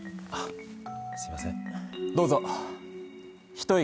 すいません。